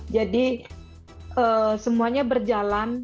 jadi semuanya berjalan